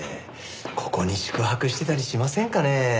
ここに宿泊してたりしませんかね？